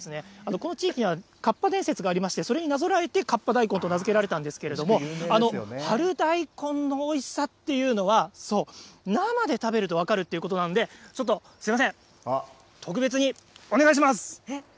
この地域には河童伝説がありまして、それになぞらえて河童大根と名付けられたんですけれども、春大根のおいしさっていうのは、そう、生で食べると分かるっていうことなので、ちょっとすみません、特別にお願いします。